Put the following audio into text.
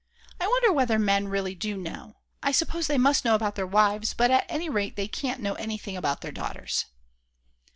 I wonder whether men really do know; I suppose they must know about their wives, but at any rate they can't know anything about their daughters.